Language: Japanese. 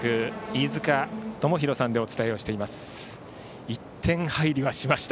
飯塚智広さんでお伝えしています。